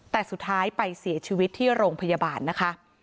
แต่สุดท้ายไปเสียชีวิตที่โรงพยาบาลนะคะ